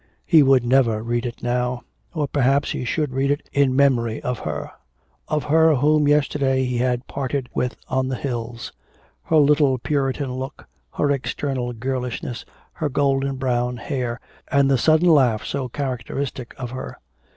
He would never read it now; or perhaps he should read it in memory of her, of her whom yesterday he had parted with on the hills her little Puritan look, her external girlishness, her golden brown hair, and the sudden laugh so characteristic of her....